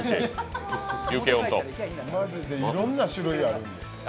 いろんな種類あるんで。